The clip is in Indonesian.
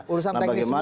urusan teknis semua ya